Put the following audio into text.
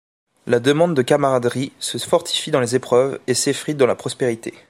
La demande de camaraderie se fortifie dans les épreuves et s'effrite dans la prospérité.